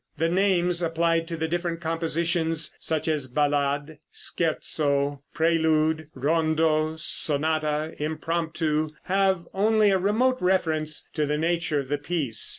The names applied to the different compositions such as Ballade, Scherzo, Prelude, Rondo, Sonata, Impromptu, have only a remote reference to the nature of the piece.